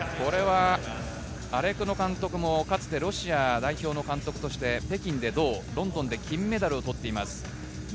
アレクノ監督もかつてロシア代表の監督として北京で銅、ロンドンで金メダルを取っています。